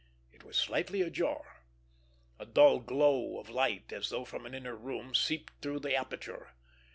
It was slightly ajar. A dull glow of light, as though from an inner room, seeped through the aperture.